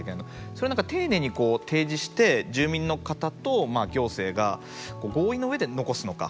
それを丁寧に提示して住民の方と行政が合意の上で残すのか。